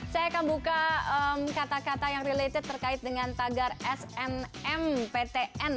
saya akan buka kata kata yang related terkait dengan tagar snmptn